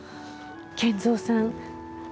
賢三さん